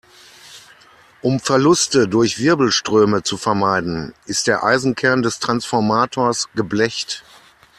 Um Verluste durch Wirbelströme zu vermeiden, ist der Eisenkern des Transformators geblecht.